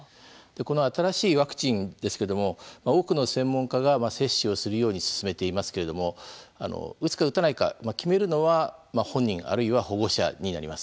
新しいワクチンですけれども多くの専門家が接種をするように勧めていますけれども打つか打たないか決めるのは本人あるいは保護者になります。